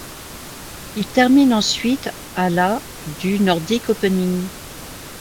Il termine ensuite à la du Nordic Opening.